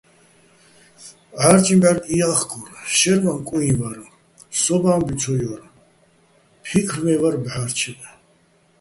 ჺარჭიჼ ბჺარკი ჲა́ხკურ, შაჲრვაჼ კუიჼ ვარ, სო́უბო̆ ა́მბუჲ ცო ჲორ, ფიქრვე́ჼ ვარ ბჺა́რჩეჸ.